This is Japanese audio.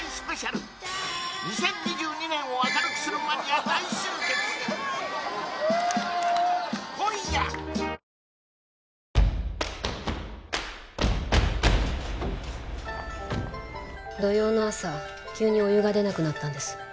あ土曜の朝急にお湯が出なくなったんです